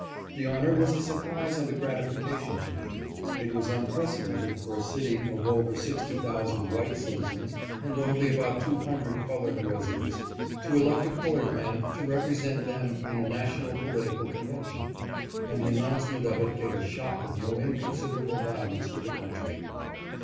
The honor was a surprise and a gratification to me. It was unprecedented for a city of over sixty thou sand white citizens and only about two hundred colored residents, to elect a colored man to represent them in a national political convention, and the announcement of it gave a shock of no inconsiderable violence to the country.